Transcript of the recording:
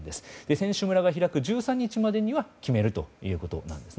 選手村が開く１３日までには決めるということになります。